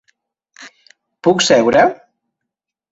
Puc seure?